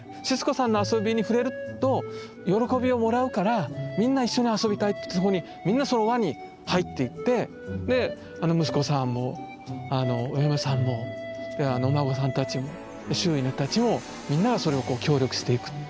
シスコさんの遊びに触れると喜びをもらうからみんな一緒に遊びたいってみんなその輪に入っていって息子さんもお嫁さんもお孫さんたちもで周囲の人たちもみんながそれをこう協力していく。